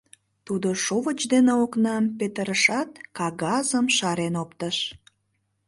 Тудо шовыч дене окнам петырышат, кагазшым шарен оптыш.